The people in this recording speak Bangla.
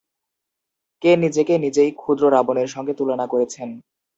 কে নিজেকে নিজেই ক্ষুদ্র রাবণের সঙ্গে তুলনা করেছেন?